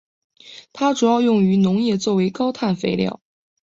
它主要用于农业作为高氮肥料。